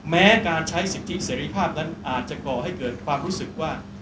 แม้การใช้สิทธิเสรีภาพนั้นอาจจะก่อให้เกิดความรู้สึกว่า